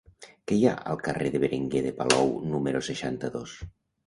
Què hi ha al carrer de Berenguer de Palou número seixanta-dos?